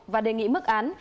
và đề nghị mức án